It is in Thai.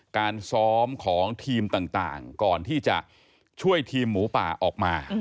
การซ้อมของทีมต่างก่อนที่จะช่วยทีมหมูป่าออกมา